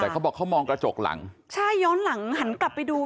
แต่เขาบอกเขามองกระจกหลังใช่ย้อนหลังหันกลับไปดู